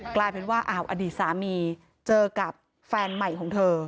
กลายเป็นว่าอดีตสามีเจอกับแฟนใหม่ของเธอ